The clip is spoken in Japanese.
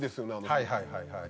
はいはいはいはい。